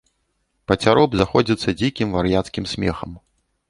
Пацяроб заходзіцца дзікім вар'яцкім смехам.